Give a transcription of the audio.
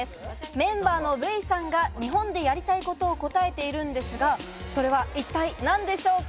メンバーのＶさんが日本でやりたいことを答えているのですが、それは一体何でしょうか？